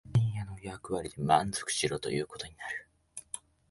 写真屋の役割で満足しろということになる